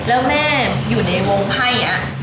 แล้วแม่อยู่ในวงภัย